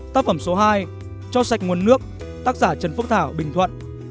tác phẩm số hai cho sạch nguồn nước tác giả trần phúc thảo bình thuận